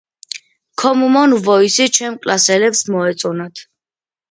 ქომმონ ვოისი ჩემ კლასელებს მოეწონათ